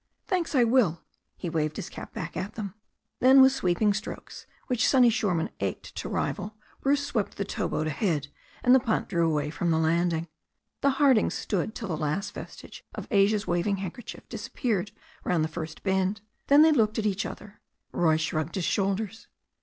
"Thanks, I will." He waved his cap back at them. Then with sweeping strokes, which Sonny Shoreman ached to rival, Bruce swept the tow boat ahead, and the punt drew away from the landing. The Hardings stood till the last vestige of Asia's waving handkerchief disappeared round the first bend. Then they looked at each other. Roy shrugged his shoulders.